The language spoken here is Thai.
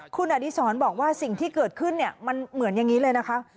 คุณอดีศรบอกว่าสิ่งที่เกิดขึ้นเนี่ยมันเหมือนอย่างนี้เลยนะคะ